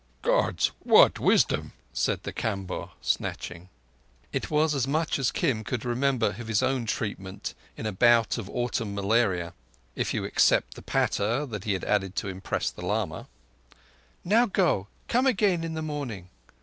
"Gods, what wisdom!" said the Kamboh, snatching. It was as much as Kim could remember of his own treatment in a bout of autumn malaria—if you except the patter that he added to impress the lama. "Now go! Come again in the morning."